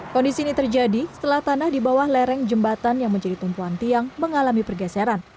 kondisi ini terjadi setelah tanah di bawah lereng jembatan yang menjadi tumpuan tiang mengalami pergeseran